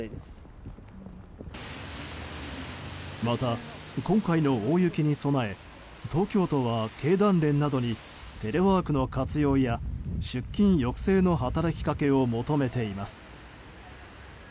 また、今回の大雪に備え東京都は経団連などにテレワークの活用や出勤抑制の働きかけを求めています。